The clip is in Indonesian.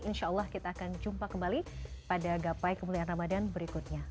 insya allah kita akan jumpa kembali pada gapai kemuliaan ramadhan berikutnya